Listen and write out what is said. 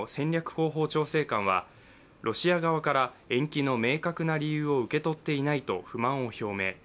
広報調整官はロシア側から延期の明確な理由を受け取っていないと不満を表明。